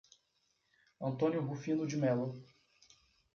Antônio Rufino de Melo